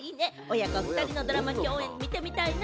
親子２人のドラマ共演、見てみたいな。